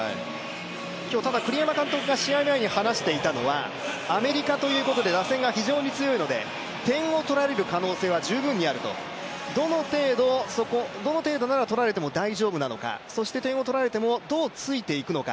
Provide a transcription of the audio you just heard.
ただ、栗山監督が試合前に話していたのはアメリカということで打線が非常に強いので、点が取られる可能性は十分にあると、どの程度なら取られても大丈夫なのかそして点を取られてもどうついていくのか。